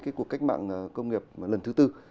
cuộc cách mạng công nghiệp lần thứ tư